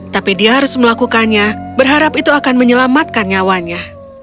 tapi dia harus melakukannya berharap itu akan menyelamatkan nyawanya